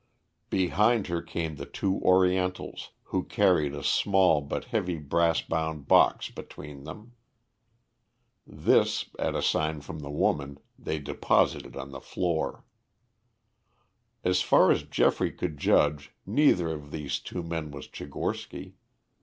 Behind her came the two Orientals, who carried a small but heavy brass bound box between them. This, at a sign from the woman, they deposited on the floor. As far as Geoffrey could judge neither of these men was Tchigorsky.